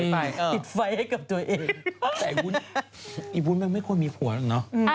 ไม่เขาก็ได้เขาเต็มทีรักด้วย